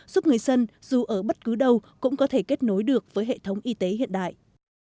giúp người dân dù ở bất cứ đâu cũng có thể kết nối được với hệ thống y tế hiện đại